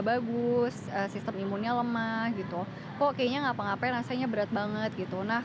bagus sistem imunnya lemah gitu kok kayaknya ngapa ngapain rasanya berat banget gitu nah